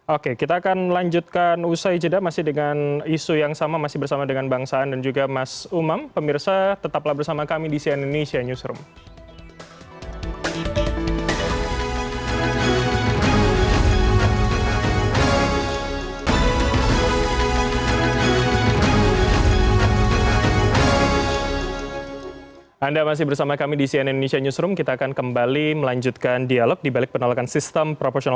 oke kita akan melanjutkan usai jeda masih dengan isu yang sama masih bersama dengan bangsaan dan juga mas umam pemirsa tetaplah bersama kami di cnn indonesia newsroom